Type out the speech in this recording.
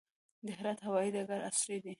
د هرات هوايي ډګر عصري دی